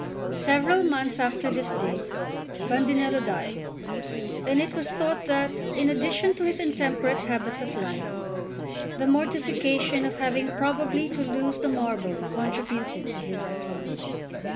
Several months after this date, Bandinello died; and it was thought that, in addition to his intemperate habits of life, the mortification of having probably to lose the marble contributed to his decline.